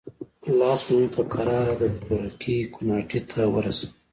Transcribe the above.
لاس به مې په کراره د تورکي کوناټي ته ورساوه.